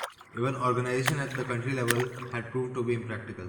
Even organization at the county level had proved to be impractical.